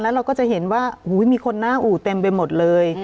เราก็จะเห็นว่ามีคนหน้าอู่เต็มไปหมดเลย